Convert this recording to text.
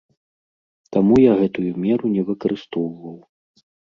Таму я гэтую меру не выкарыстоўваў.